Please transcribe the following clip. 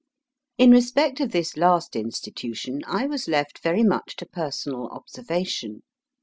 In respect of this last institution I was left very much to personal observation.